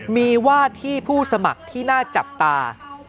มีว่าที่ผู้สมัครที่น่าจับตา